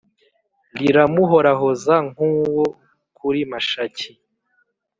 liramuhorahoza nk’uwo kuri Mashaki